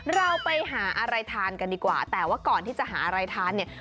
เราไปหาอะไรทานกันดีกว่าแต่ว่าก่อนที่จะหาอะไรทานเนี่ย